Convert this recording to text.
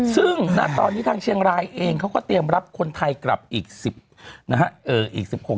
ซึ่งนะตอนนี้ทางเชียงรายเองเขาก็เตรียมรับคนไทยกลับอีกสิบนะฮะเอออีกสิบหก